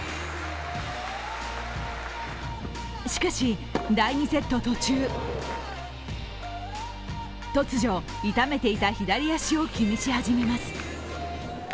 しかし、第２セット途中突如、痛めていた左足を気にし始めます。